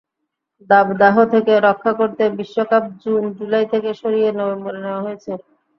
দাবদাহ থেকে রক্ষা করতে বিশ্বকাপ জুন-জুলাই থেকে সরিয়ে নভেম্বরে নেওয়া হয়েছে।